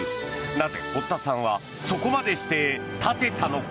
なぜ堀田さんはそこまでして建てたのか？